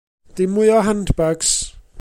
Dim mwy o handbags.